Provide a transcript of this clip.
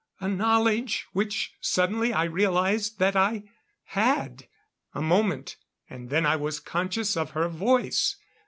A knowledge, which suddenly I realized that I had. A moment, and then I was conscious of her voice!